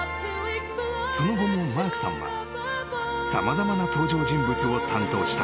［その後もマークさんは様々な登場人物を担当した］